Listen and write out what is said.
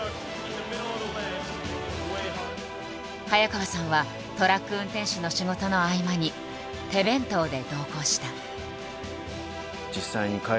早川さんはトラック運転手の仕事の合間に手弁当で同行した。